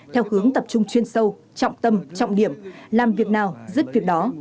theo hướng tập trung chuyên sâu trọng tâm trọng điểm làm việc nào dứt việc đó